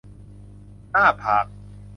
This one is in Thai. หน้าผาก